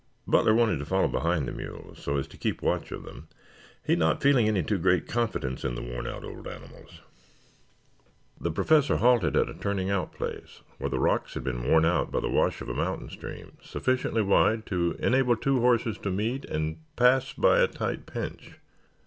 Butler wanted to follow behind the mules so as to keep watch of them, he not feeling any too great confidence in the worn out old animals. The Professor halted at a turning out place, where the rocks had been worn out by the wash of a mountain stream sufficiently wide to enable two horses to meet and pass by a tight pinch.